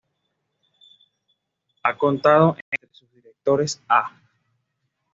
Ha contado entre sus directores aː